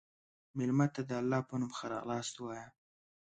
مېلمه ته د الله په نوم ښه راغلاست ووایه.